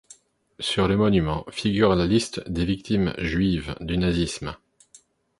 Sur le monument figure la liste des victimes juives du nazisme.